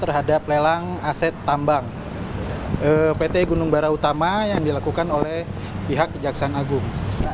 terhadap lelang aset tambang pt gunung bara utama yang dilakukan oleh pihak kejaksaan agung